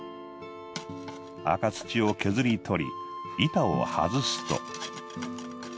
赤土を削り取り板を外すと。